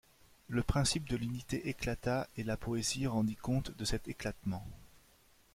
Le principe de l'unité éclata et la poésie rendit compte de cet éclatement.